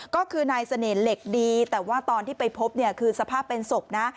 ก็คือนายเสน่ห์เหล็กดีแต่ว่าตอนที่ไปพบเนี่ยคือสภาพเป็นศพนะ